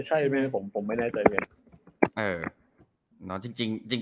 ใช่ไม่น่าจะมี